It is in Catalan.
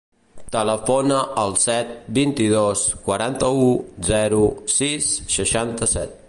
Telefona al set, vint-i-dos, quaranta-u, zero, sis, seixanta-set.